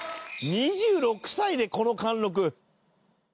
２６歳でこの貫禄。